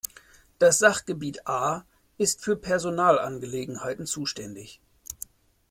Das Sachgebiet A ist für Personalangelegenheiten zuständig.